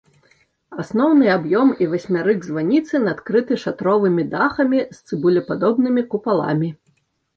Асноўны аб'ём і васьмярык званіцы накрыты шатровымі дахамі з цыбулепадобнымі купаламі.